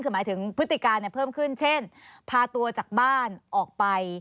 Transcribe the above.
คือหมายถึงพฤติการเพิ่มขึ้นเช่นพาตัวจากบ้านออกไป